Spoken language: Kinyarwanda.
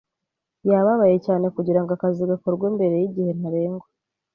Yababaye cyane kugirango akazi gakorwe mbere yigihe ntarengwa.